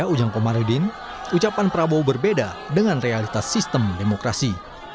ujang komarudin ucapan prabowo berbeda dengan realitas sistem demokrasi